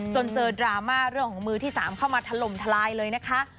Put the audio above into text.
จนเจอดราม่าเรื่องของมือที่๓เข้ามาถล่มทลายเลยนะคะ